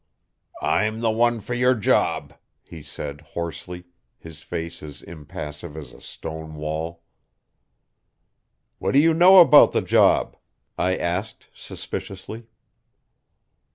"I'm the one for your job," he said hoarsely, his face as impassive as a stone wall. "What do you know about the job?" I asked suspiciously.